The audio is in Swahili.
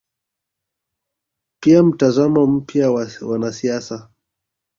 pia mtazamo mpya wa wanasiasa